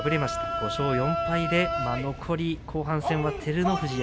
５勝４敗で残り後半戦は照ノ富士や